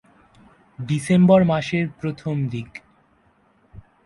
December মাসের প্রথম দিক।